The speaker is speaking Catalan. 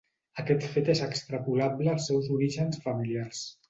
Aquest fet és extrapolable als seus orígens familiars.